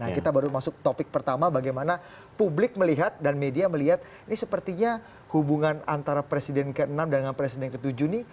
nah kita baru masuk topik pertama bagaimana publik melihat dan media melihat ini sepertinya hubungan antara presiden ke enam dengan presiden ke tujuh ini